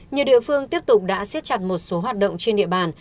nhiều địa phương tiếp tục đã xiết chặt một số hoạt động trên địa bàn